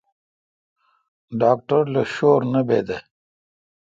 ڈاکٹر لو شور نہ بیدہ۔